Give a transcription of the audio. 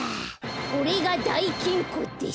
これがだいきんこです。